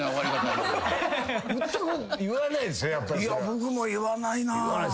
僕も言わないな。